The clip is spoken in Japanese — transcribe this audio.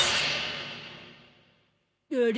あれ？